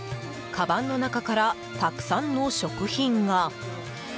かばんの中からたくさんの食品が。